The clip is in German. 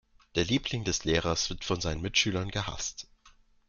Der Liebling des Lehrers wird von seinen Mitschülern gehasst.